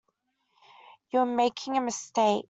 You are making a mistake.